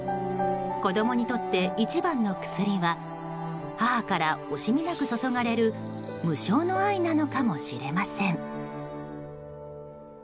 子供にとって一番の薬は母から惜しみなく注がれる無償の愛なのかもしれません。